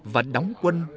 và đóng quân